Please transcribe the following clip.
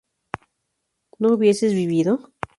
¿no hubieses vivido?